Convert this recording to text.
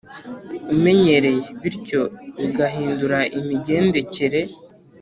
umenyereye bityo bigahindura imigendekere